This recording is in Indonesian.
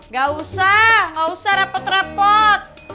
gak usah gak usah repot repot